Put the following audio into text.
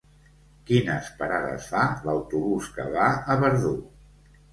Quines parades fa l'autobús que va a Verdú?